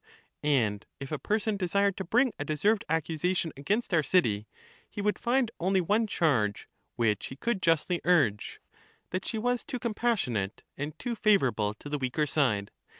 And if a person desired to bring a deserved accusation against our city, he would find only one charge which he could justly urge — that she was too compassionate and too favourable to the weaker side.